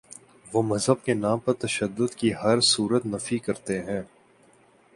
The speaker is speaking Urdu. وہ مذہب کے نام پر تشدد کی ہر صورت نفی کرتے ہیں۔